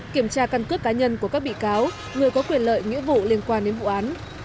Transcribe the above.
kiểm tra căn cước cá nhân của các bị cáo người có quyền lợi nghĩa vụ liên quan đến vụ án